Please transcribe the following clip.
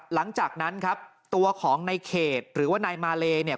หลังจากนั้นครับตัวของในเขตหรือว่านายมาเลเนี่ย